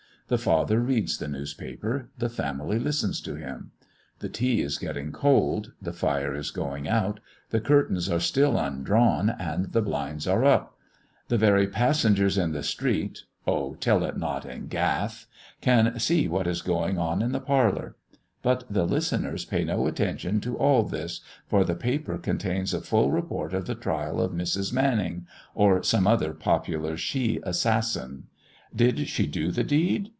The father reads the newspaper; the family listens to him. The tea is getting cold, the fire is going out, the curtains are still undrawn and the blinds are up; the very passengers in the street "O tell it not in Gath!" can see what is going on in the parlour; but the listeners pay no attention to all this, for the paper contains a full report of the trial of Mrs. Manning, or some other popular she assassin. Did she do the deed?